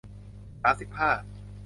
สามสิบห้า